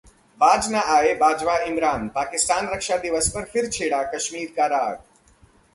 बाज न आए बाजवा-इमरान, पाकिस्तान रक्षा दिवस पर फिर छेड़ा कश्मीर का राग